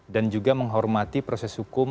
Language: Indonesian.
dan juga menghormati proses hukum